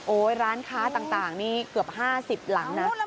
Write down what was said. ร้านค้าต่างนี่เกือบ๕๐หลังนะ